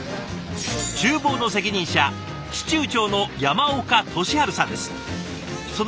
ちゅう房の責任者司厨長の山岡利春さんです。